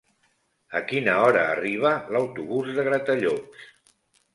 A quina hora arriba l'autobús de Gratallops?